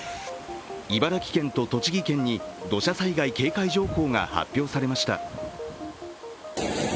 茨城県と栃木県に土砂災害警戒情報が発表されました。